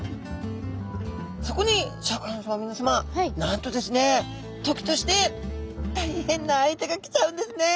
そこにシャーク香音さまみなさまなんとですね時として大変な相手が来ちゃうんですね。